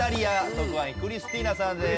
特派員クリスティーナさんです。